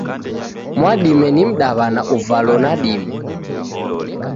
Mwadime ni mdaw'ana uvalo nadime.